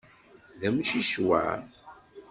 D amcic wa?